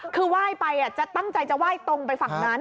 คือไหว้ไปจะตั้งใจจะไหว้ตรงไปฝั่งนั้น